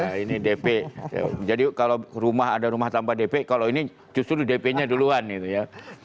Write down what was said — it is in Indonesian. ya ini dp jadi kalau rumah ada rumah tanpa dp kalau ini justru di dp nya duluan gitu ya